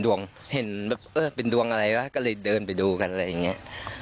เห็นแบบเออเป็นดวงอะไรวะก็เลยเดินไปดูกันอะไรอย่างนี้